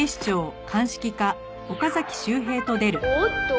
「おっと！